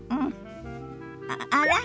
あら？